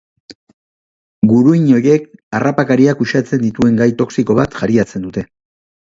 Guruin horiek harrapakariak uxatzen dituen gai toxiko bat jariatzen dute.